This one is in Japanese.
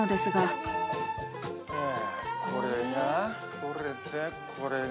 これがこれでこれが。